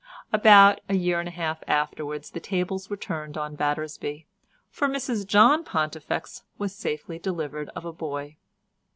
About a year and a half afterwards the tables were turned on Battersby—for Mrs John Pontifex was safely delivered of a boy.